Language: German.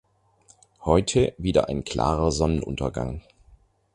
Heute wieder ein klarer Sonnenuntergang.